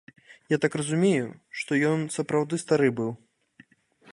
Я так разумею, што ён сапраўды стары быў.